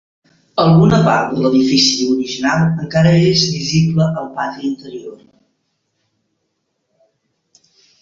Alguna part de l'edifici original encara és visible al pati interior.